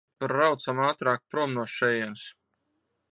Braucam ātrāk prom no šejienes!